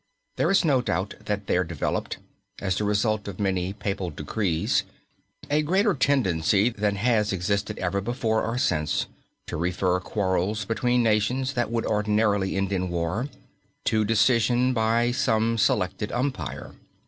There is no doubt that there developed, as the result of many Papal decrees, a greater tendency than has existed ever before or since, to refer quarrels between nations that would ordinarily end in war to decision by some selected umpire.